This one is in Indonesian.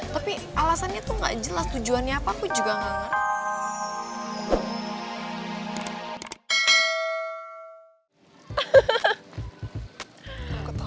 tapi alasannya tuh gak jelas tujuannya apa aku juga gak